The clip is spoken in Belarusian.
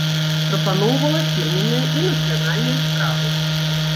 Прапаноўвала фірменныя і нацыянальныя стравы.